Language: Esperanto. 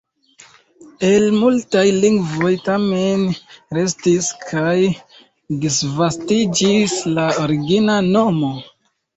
En multaj lingvoj tamen restis kaj disvastiĝis la origina nomo.